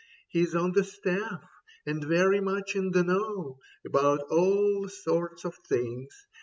He's on the Staff and very much in the know About all sorts of things.